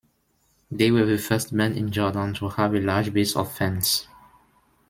They were the first band in Jordan to have a large base of fans.